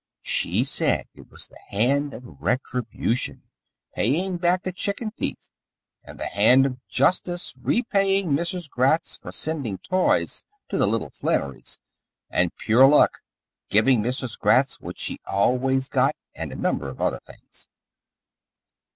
She said it was the Hand of Retribution paying back the chicken thief, and the Hand of Justice repaying Mrs. Gratz for sending toys to the little Flannerys, and Pure Luck giving Mrs. Gratz what she always got, and a number of other things.